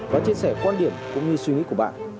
và chia sẻ quan điểm cũng như suy nghĩ của bạn